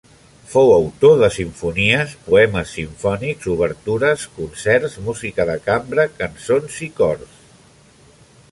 Fou autor de simfonies, poemes simfònics, obertures, concerts, música de cambra, cançons i cors.